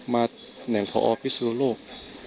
มาแหน่งพอพิศนลก